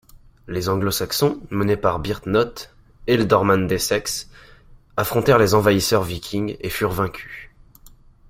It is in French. Les Anglo-Saxons, menés par Byrhtnoth, ealdorman d'Essex, affrontèrent les envahisseurs vikings et furent vaincus.